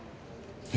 え？